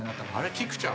菊ちゃん。